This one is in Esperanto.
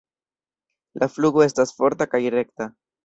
La flugo estas forta kaj rekta.